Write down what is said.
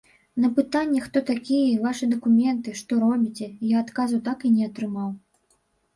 На пытанні, хто такія, вашы дакументы, што робіце, я адказу так і не атрымаў.